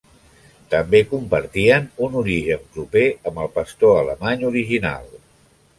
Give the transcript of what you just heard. També compartien un origen proper amb el pastor alemany original.